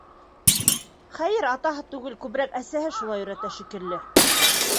Хәйер, атаһы түгел, күберәк әсәһе шулай өйрәтә шикелле.